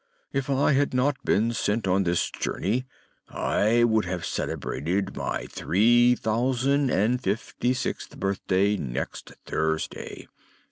If I had not been sent on this journey, I would have celebrated my three thousand and fifty sixth birthday next Thursday.